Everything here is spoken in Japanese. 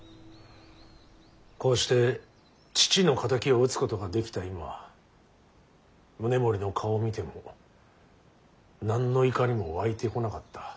こうして父の敵を討つことができた今宗盛の顔を見ても何の怒りも湧いてこなかった。